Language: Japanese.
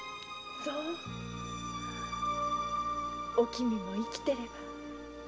そうお君も生きてれば。